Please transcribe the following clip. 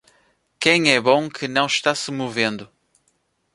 Quem é bom que não está se movendo.